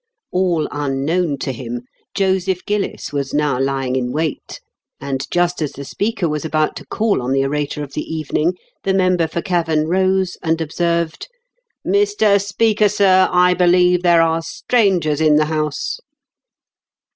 All unknown to him, Joseph Gillis was now lying in wait, and just as the Speaker was about to call on the orator of the evening, the Member for Cavan rose and observed, "Mr. Speaker, Sir, I believe there are strangers in the house."